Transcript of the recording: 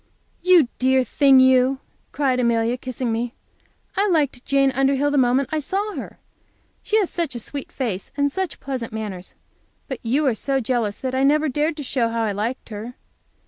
"You dear thing, you!" cried Amelia, kissing me. "I liked Jane Underhill the moment I saw her. She has such a sweet face and such pleasant manners. But you are so jealous that I never dared to show how I liked her.